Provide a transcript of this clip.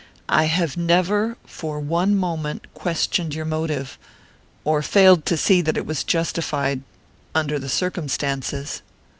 "I have never for one moment questioned your motive or failed to see that it was justified...under the circumstances...."